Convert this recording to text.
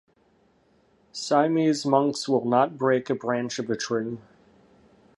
Siamese monks will not break a branch of a tree.